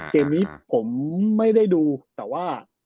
เกมนี้ผมไม่ได้ดูแต่ว่า